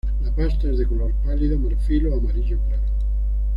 La pasta es de color pálido, marfil o amarillo claro.